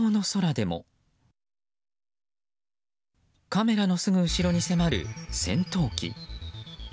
カメラのすぐ後ろに迫る戦闘機。